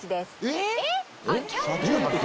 「えっ！」